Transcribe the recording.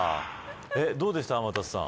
どうでした、天達さん。